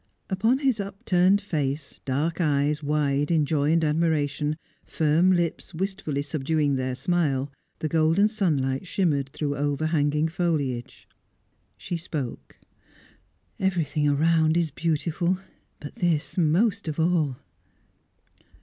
Upon his upturned face, dark eyes wide in joy and admiration, firm lips wistfully subduing their smile, the golden sunlight shimmered through overhanging foliage. She spoke. "Everything around is beautiful, but this most of all."